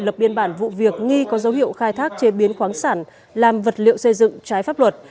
lập biên bản vụ việc nghi có dấu hiệu khai thác chế biến khoáng sản làm vật liệu xây dựng trái pháp luật